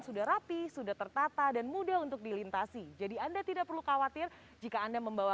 sudah rapi sudah tertata dan mudah untuk dilintasi jadi anda tidak perlu khawatir jika anda membawa